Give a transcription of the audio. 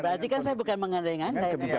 berarti kan saya bukan mengandalkan